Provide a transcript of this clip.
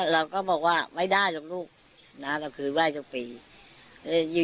เราก็บอกว่าไม่ได้หรอกลูกนะเราเคยไหว้ทุกปี